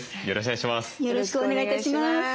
よろしくお願いします。